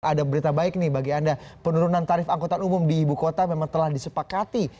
ada berita baik nih bagi anda penurunan tarif angkutan umum di ibu kota memang telah disepakati